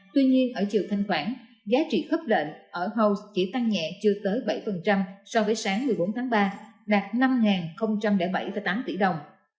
tuy nhiên ở chiều thanh quản giá trị khấp lệnh ở house chỉ tăng nhẹ chưa tới bảy so với sáng một mươi bốn tháng ba đạt năm bảy tám tỷ đồng